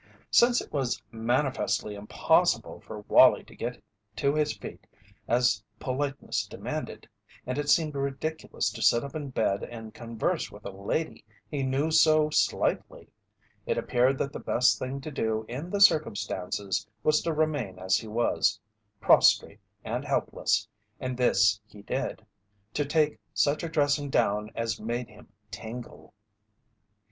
Since it was manifestly impossible for Wallie to get to his feet as politeness demanded, and it seemed ridiculous to sit up in bed and converse with a lady he knew so slightly, it appeared that the best thing to do in the circumstances was to remain as he was, prostrate and helpless, and this he did to take such a dressing down as made him tingle.